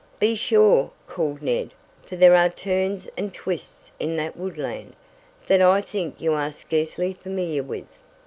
"Be sure," called Ned, "for there are turns and twists in that woodland, that I think you are scarcely familiar with."